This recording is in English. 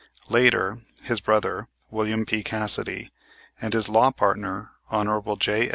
Later his brother, William P. Cassidy, and his law partner, Hon. J.